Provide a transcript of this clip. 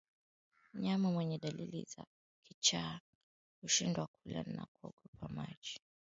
Mnyama mweye dalili za kichaaa hushindwa kula na huogopa maji